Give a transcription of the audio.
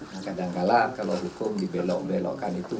nah kadangkala kalau hukum dibelok belokkan itu